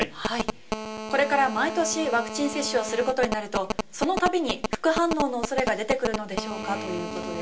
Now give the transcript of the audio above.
これから毎年ワクチン接種するとなるとその度に副反応の恐れが出てくるのでしょうか？ということです。